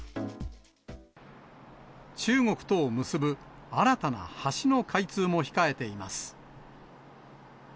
中国とを結ぶ新たな橋の開通も控えています。